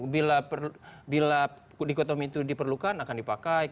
bila dikotomi itu diperlukan akan dipakai